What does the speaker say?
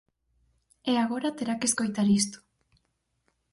E agora terá que escoitar isto.